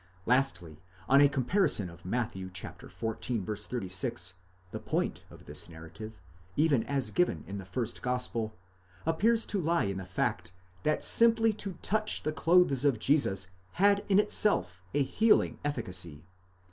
Lastly, on ἃ comparison of Matt. xiv. 36, the point of this narrative, even as given in the first gospel, appears to lie in the fact that simply to touch the clothes of Jesus had in itself a healing efficacy.